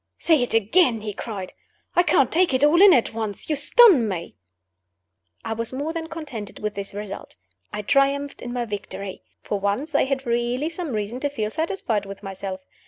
"Say it again!" he cried. "I can't take it all in at once. You stun me." I was more than contented with this result I triumphed in my victory. For once, I had really some reason to feel satisfied with myself.